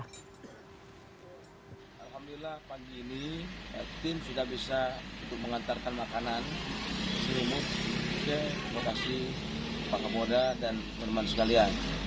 alhamdulillah pagi ini tim sudah bisa mengantarkan makanan selimut ke lokasi pak kapolda dan teman teman sekalian